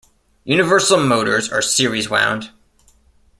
Universal motors are series wound.